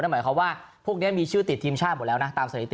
หมายความว่าพวกนี้มีชื่อติดทีมชาติหมดแล้วนะตามสถิติ